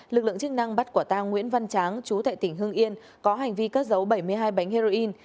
lực lượng chức năng bắt quả tang nguyễn văn tráng chú tại tỉnh hưng yên có hành vi cất dấu bảy mươi hai bánh heroin